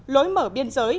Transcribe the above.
lối mở biên giới